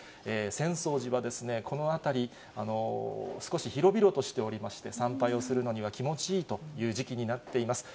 浅草寺はこの辺り、少し広々としておりまして、参拝をするのには気持ちいいという時期になっています。